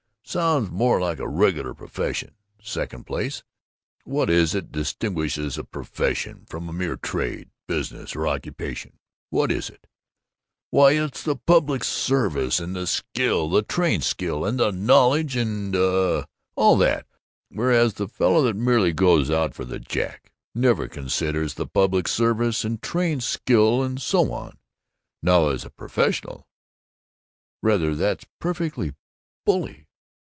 Sounds more like a reg'lar profession. Second place What is it distinguishes a profession from a mere trade, business, or occupation? What is it? Why, it's the public service and the skill, the trained skill, and the knowledge and, uh, all that, whereas a fellow that merely goes out for the jack, he never considers the public service and trained skill and so on. Now as a professional " "Rather! That's perfectly bully!